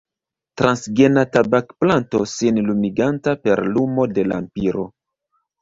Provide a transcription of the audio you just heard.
Transgena tabakplanto sin lumiganta per lumo de lampiro.